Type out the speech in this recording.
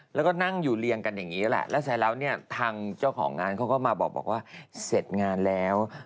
แล้วเสร็จแล้วเนี่ยทางเจ้าของงานเขาก็มาบอกบอกว่าเสร็จงานแล้ว